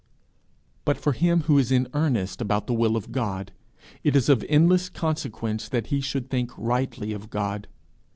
But for him who is in earnest about the will of God, it is of endless consequence that he should think rightly of God.